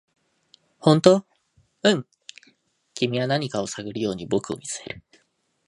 「本当？」「うん」君は何かを探るように僕を見つめる